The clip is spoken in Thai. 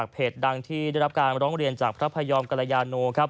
เพจดังที่ได้รับการร้องเรียนจากพระพยอมกรยาโนครับ